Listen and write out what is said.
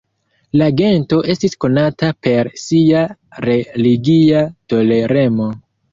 La gento estis konata per sia religia toleremo.